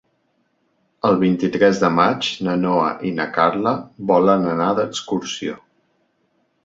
El vint-i-tres de maig na Noa i na Carla volen anar d'excursió.